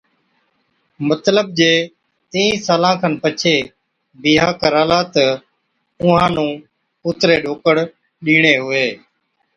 مطلب جي تينھين سالان کن پڇي بِيھا ڪرالا تہ اُونھان نُون اُتري ڏوڪڙ ڏيڻي ھُوي۔